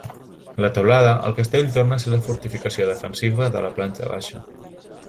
A la teulada, el castell torna a ser la fortificació defensiva de la planta baixa.